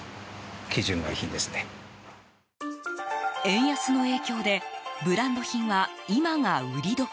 円安の影響でブランド品は今が売り時。